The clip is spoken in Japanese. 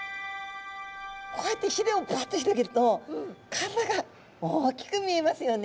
こうやってひれをブワッと広げると体が大きく見えますよね。